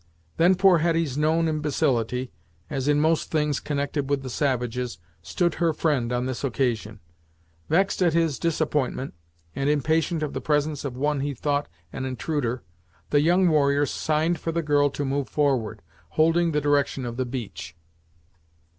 Then poor Hetty's known imbecility, as in most things connected with the savages, stood her friend on this occasion. Vexed at his disappointment, and impatient of the presence of one he thought an intruder, the young warrior signed for the girl to move forward, holding the direction of the beach.